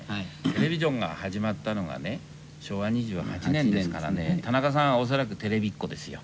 テレビジョンが始まったのがね昭和２８年ですから、田中さんは恐らくテレビっ子ですよ。